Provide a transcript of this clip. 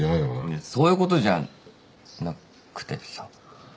いやそういうことじゃなくてさ。